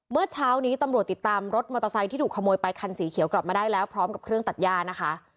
เมื่อเช้านี้ตำรวจติดตามรถมอเตอร์ไซค์ที่ถูกขโมยไปคันสีเขียวกลับมาได้แล้วพร้อมกับเครื่องตัดย่านะคะ